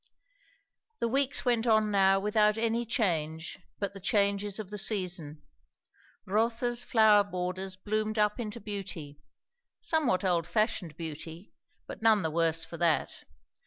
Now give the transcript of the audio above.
The weeks went on now without any change but the changes of the season. Rotha's flower borders bloomed up into beauty; somewhat old fashioned beauty, but none the worse for that.